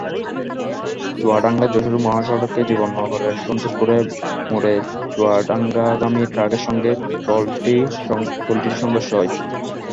চুয়াডাঙ্গা-যশোর মহাসড়কে জীবননগরের সন্তোষপুর মোড়ে চুয়াডাঙ্গাগামী ট্রাকের সঙ্গে ট্রলিটির সংঘর্ষ হয়।